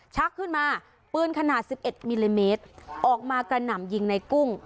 ชักขึ้นมาปืนขนาด๑๑มิลลิเมตรออกมากระหน่ำยิงในกุ้ง